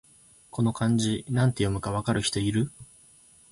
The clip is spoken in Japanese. この漢字、なんて読むか分かる人いる？